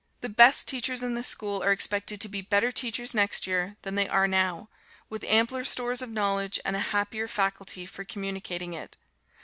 The best teachers in this school are expected to be better teachers next year than they are now, with ampler stores of knowledge, and a happier faculty for communicating it.